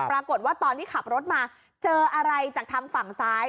ปรากฏว่าตอนที่ขับรถมาเจออะไรจากทางฝั่งซ้าย